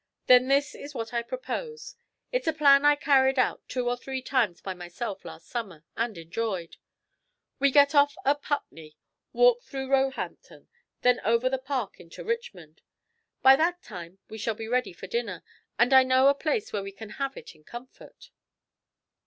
"Then this is what I propose. It's a plan I carried out two or three times by myself last summer, and enjoyed. We get off at Putney, walk through Roehampton, then over the park into Richmond. By that time we shall be ready for dinner, and I know a place where we can have it in comfort."